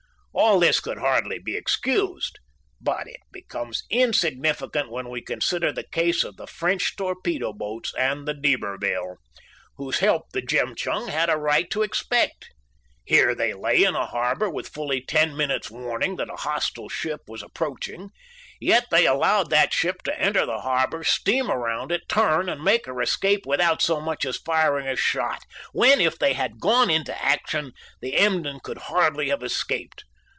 All this could hardly be excused, but it becomes insignificant when we consider the case of the French torpedo boats and the D'Iberville, whose help the Jemtchug had a right to expect. Here they lay in a harbor with fully ten minutes' warning that a hostile ship was approaching, yet they allowed that ship to enter the harbor, steam around it, turn, and make her escape without so much as firing a shot, when, if they had gone into action, the Emden could hardly have escaped.